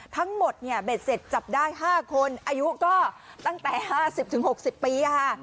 ทั้งหมดเนี่ยเบ็ดเสร็จจับได้ห้าคนอายุก็ตั้งแต่ห้าสิบถึงหกสิบปีค่ะ